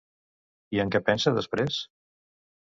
I en què pensa després?